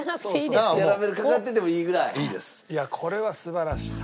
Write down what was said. いやこれは素晴らしい。